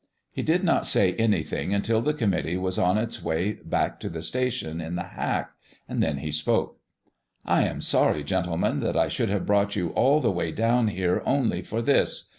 He did not say anything until the committee was on its way back to the station in the hack. Then he spoke. "I am sorry, gentlemen, that I should have brought you all the way down here only for this.